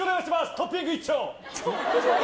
トッピング一丁！